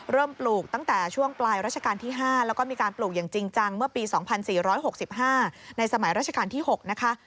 ปลูกตั้งแต่ช่วงปลายรัชกาลที่๕แล้วก็มีการปลูกอย่างจริงจังเมื่อปี๒๔๖๕ในสมัยราชการที่๖นะคะ